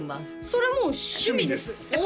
それもう趣味ですえっ